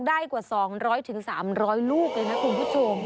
กว่า๒๐๐๓๐๐ลูกเลยนะคุณผู้ชม